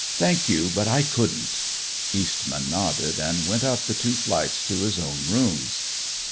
Thank you, but I couldn't." Eastman nodded and went up the two flights to his own rooms.